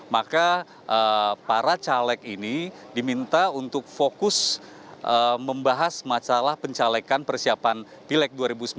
maka para caleg ini diminta untuk fokus membahas masalah pencalekan persiapan pileg dua ribu sembilan belas